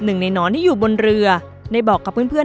หนึ่งในหนอนที่อยู่บนเรือได้บอกกับเพื่อน